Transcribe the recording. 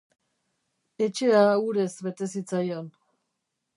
Etxea urez bete zitzaion.